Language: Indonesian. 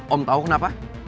om tahu kenapa